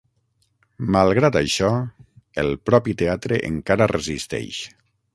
Malgrat això, el propi teatre encara resisteix.